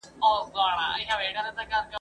د ماینه توب واک په برخه نه لري